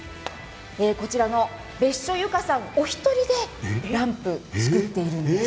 こちらの別所由加さん、お一人でランプを作っているんです。